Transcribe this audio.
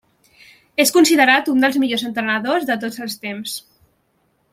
És considerat un dels millors entrenadors de tots els temps.